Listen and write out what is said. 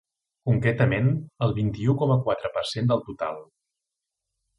Concretament, el vint-i-u coma quatre per cent del total.